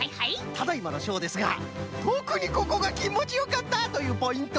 ただいまのしょうですが「とくにここがきもちよかった」というポイントは？